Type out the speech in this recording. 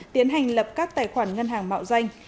tiến hành lập các tài khoản ngân hàng mạo danh